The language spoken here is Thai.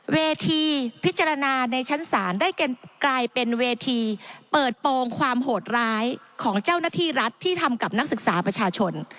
เวทีพิจารณาในชั้นศาลได้กลายเป็นเวทีเปิดโปรงความโหดร้ายของเจ้าหน้าที่รัฐที่ทำกับนักศึกษาประชาชน